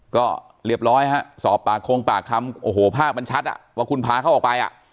ก็เรียบร้อยฮะสอบปากคำคงปากคำโอ้โหภาพมันชัดอ่ะว่าคุณพาเขาออกไปอ่ะ